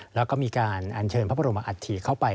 แล้วก็มีการอัญเชิญพระบรมอัฐิเข้าไป